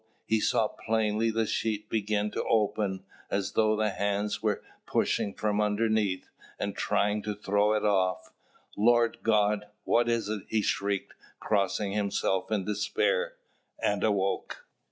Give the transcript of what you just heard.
he saw plainly the sheet begin to open, as though hands were pushing from underneath, and trying to throw it off. "Lord God, what is it!" he shrieked, crossing himself in despair and awoke.